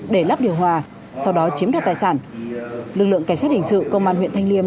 để lắp điều hòa sau đó chiếm đoạt tài sản lực lượng cảnh sát hình sự công an huyện thanh liêm